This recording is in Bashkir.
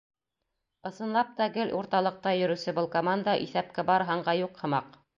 Ысынлап та, гел урталыҡта йөрөүсе был команда иҫәпкә бар, һанға юҡ һымаҡ.